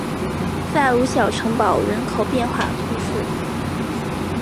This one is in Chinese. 塞鲁小城堡人口变化图示